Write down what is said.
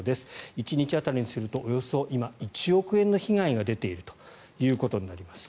１日当たりにすると今、およそ１億円の被害が出ているということになります。